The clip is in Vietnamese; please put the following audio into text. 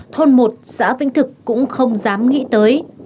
thôn một xã vĩnh thực cũng không dám nghĩ tới